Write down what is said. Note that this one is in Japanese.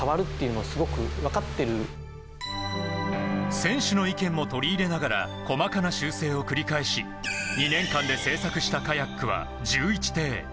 選手の意見も取り入れながら細かな修正を繰り返し２年間で製作したカヤックは１１艇。